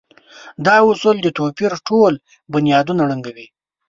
دا اصول د توپير ټول بنيادونه ړنګوي.